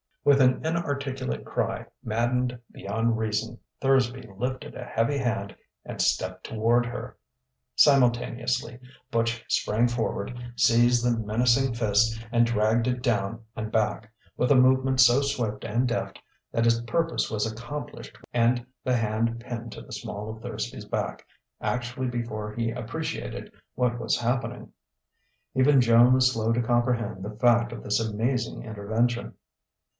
With an inarticulate cry, maddened beyond reason, Thursby lifted a heavy hand and stepped toward her. Simultaneously Butch sprang forward, seized the menacing fist and dragged it down and back, with a movement so swift and deft that its purpose was accomplished and the hand pinned to the small of Thursby's back actually before he appreciated what was happening. Even Joan was slow to comprehend the fact of this amazing intervention....